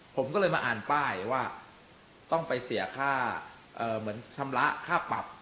ผมก็เลยมาอ่านป้ายว่าต้องไปเสียค่าเหมือนชำระค่าปรับ